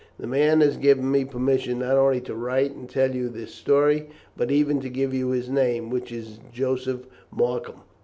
The man has given me permission, not only to write and tell you this story, but even to give you his name, which is Joseph Markham.